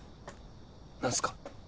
何すか？